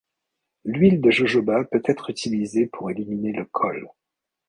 L'huile de jojoba peut être utilisée pour éliminer le khôl.